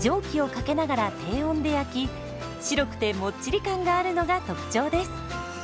蒸気をかけながら低温で焼き白くてもっちり感があるのが特徴です。